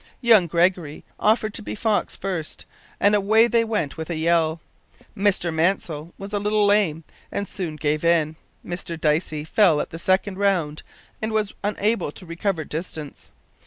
Young Gregory offered to be fox first, and away they went with a yell. Mr Mansell was a little lame, and soon gave in. Mr Dicey fell at the second round, and was unable to recover distance.